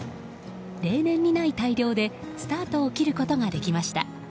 例年にない大漁でスタートを切ることができました。